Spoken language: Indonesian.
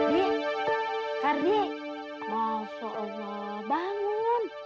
dik kak dik masya allah bangun